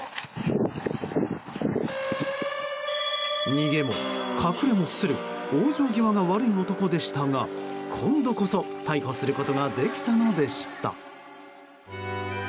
逃げも隠れもする往生際が悪い男でしたが今度こそ逮捕することができたのでした。